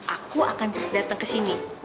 aku akan terus datang ke sini